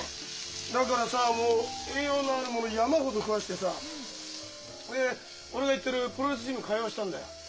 だからさもう栄養のあるもの山ほど食わしてさで俺が行ってるプロレスジム通わせたんだよ。